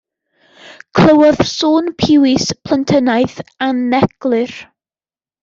Clywodd sŵn piwis, plentynnaidd, aneglur.